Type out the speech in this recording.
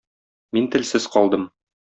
Мин телсез калдым.